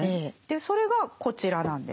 それがこちらなんです。